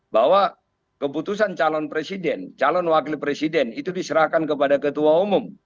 bahwa keputusan calon presiden calon wakil presiden itu diserahkan kepada ketua umum